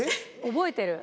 覚えてる。